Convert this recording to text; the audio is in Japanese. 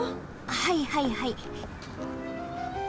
はいはいはい。